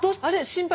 心配。